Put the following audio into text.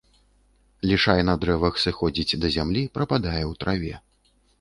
Лішай на дрэвах сыходзіць да зямлі, прападае ў траве.